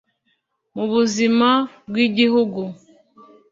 mu buzima bw' i gihugu.